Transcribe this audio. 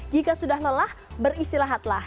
jika sudah lelah beristilahatlah